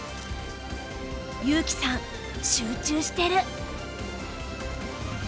優希さん集中してる。